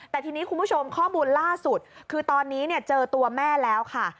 แต่ทีนี้คุณผู้ชมข้อมูลล่าสุดคือตอนนี้เจอตัวแม่แล้วค่ะ